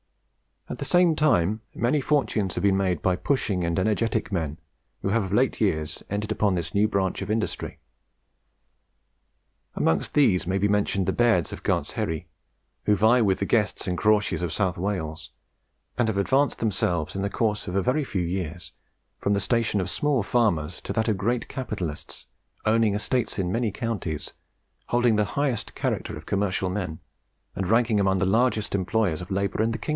At the same time, many fortunes have been made by pushing and energetic men who have of late years entered upon this new branch of industry. Amongst these may be mentioned the Bairds of Gartsherrie, who vie with the Guests and Crawshays of South Wales, and have advanced themselves in the course of a very few years from the station of small farmers to that of great capitalists owning estates in many counties, holding the highest character commercial men, and ranking among the largest employers of labour in the kingdom.